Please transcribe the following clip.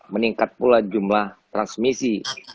meningkat pula jumlah transmisi